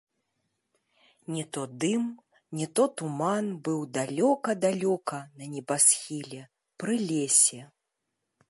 Не то дым, не то туман быў далёка-далёка на небасхіле, пры лесе.